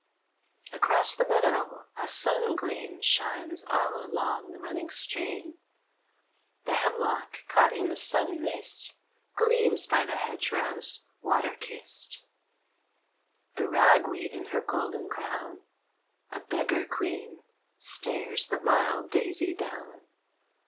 Across the meadow a sun gleam Shines all along the running stream, The hemlock caught in a sun mist Gleams by the hedge rose water kissed. The rag weed in her golden crown, A beggar queen, stares the mild daisy down.